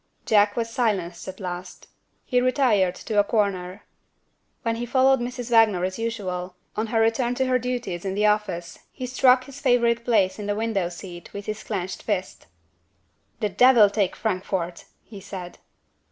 Jack was silenced at last. He retired to a corner. When he followed Mrs. Wagner as usual, on her return to her duties in the office he struck his favorite place on the window seat with his clenched fist. "The devil take Frankfort!" he said.